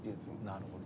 なるほど。